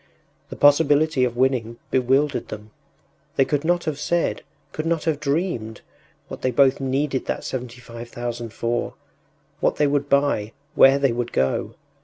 The possibility of winning bewildered them; they could not have said, could not have dreamed, what they both needed that seventy five thousand for, what they would buy, where they would go.